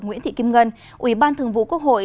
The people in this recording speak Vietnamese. nguyễn thị kim ngân ủy ban thường vụ quốc hội